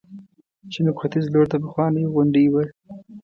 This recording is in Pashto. جنوب ختیځ لورته پخوانۍ غونډۍ وه.